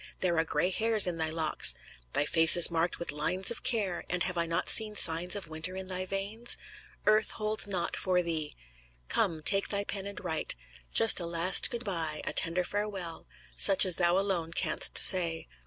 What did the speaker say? there are gray hairs in thy locks, thy face is marked with lines of care, and have I not seen signs of winter in thy veins? Earth holds naught for thee. Come, take thy pen and write, just a last good by, a tender farewell, such as thou alone canst say.